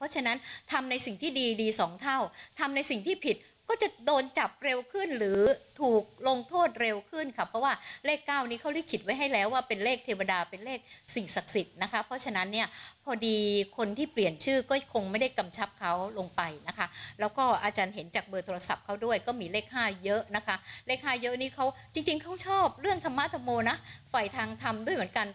จริงเขาชอบเรื่องธรรมธรรโมนะฝ่ายทางธรรมด้วยเหมือนกัน